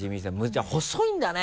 じゃあ細いんだね